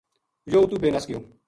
یوہ اُتو بے نَس گیو